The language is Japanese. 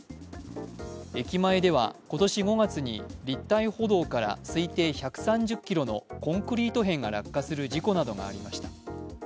駅前では今年５月に立体歩道から推定１３０ｋｇのコンクリート片が落下する事故などがありました。